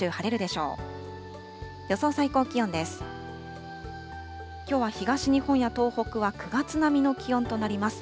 きょうは東日本や東北は９月並みの気温となります。